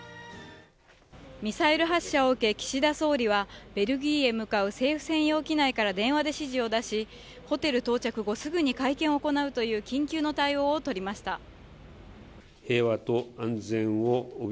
ミサイル発射を受け岸田総理はベルギーへ向かう政府専用機内から電話で指示を出しホテル到着後すぐに会見を行うという緊急の対応をとりました。